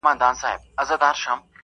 نور وجوهات لري